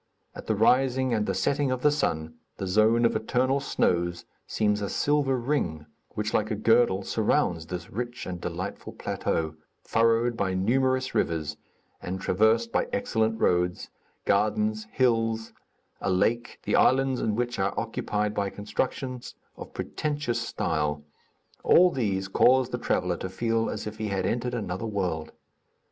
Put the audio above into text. At the rising and the setting of the sun, the zone of eternal snows seems a silver ring, which like a girdle surrounds this rich and delightful plateau, furrowed by numerous rivers and traversed by excellent roads, gardens, hills, a lake, the islands in which are occupied by constructions of pretentious style, all these cause the traveller to feel as if he had entered another world.